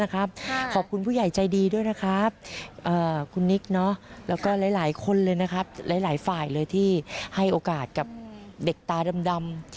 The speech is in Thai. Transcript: ขอบคุณผู้ใหญ่ใจดีด้วยนะครับคุณนิกแล้วก็หลายคนเลยนะครับหลายฝ่ายเลยที่ให้โอกาสกับเด็กตาดำ